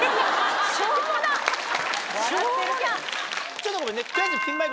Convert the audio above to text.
ちょっとごめんね。